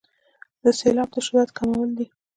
د سیلاب د شدت کمول دي.